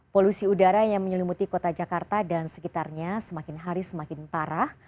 polusi udara yang menyelimuti kota jakarta dan sekitarnya semakin hari semakin parah